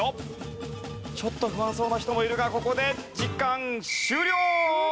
ちょっと不安そうな人もいるがここで時間終了！